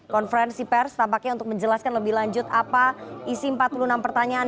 konferensi pers tampaknya untuk menjelaskan lebih lanjut apa isi empat puluh enam pertanyaan